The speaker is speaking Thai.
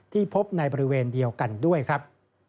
พบในบริเวณเดียวกันด้วยครับ